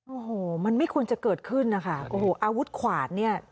โอ้โหมันไม่ควรจะเกิดขึ้นนะคะโอ้โหอาวุธขวานเนี่ย